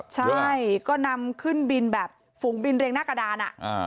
ใช่ก็นำขึ้นบินแบบฝูงบินเรียงหน้ากระดาน